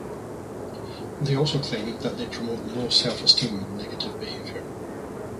They also claim that they promote low self-esteem and negative behavior.